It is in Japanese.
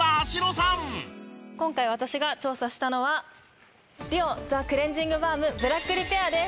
今回私が調査したのはＤＵＯザクレンジングバームブラックリペアです。